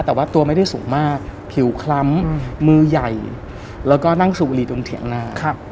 แต่ว่าตัวไม่ได้สูงมากผิวคล้ำอืมมือใหญ่แล้วก็นั่งสุบลีดองเถียงหน้าครับ